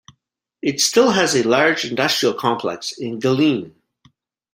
It still has a large industrial complex in Geleen.